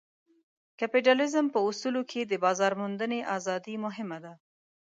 کپیټالیزم په اصولو کې د بازار موندنې ازادي مهمه ده.